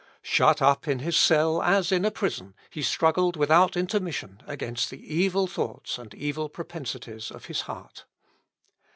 Shut up in his cell as in a prison, he struggled without intermission against the evil thoughts and evil propensities of his heart.